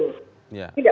tidak boleh individu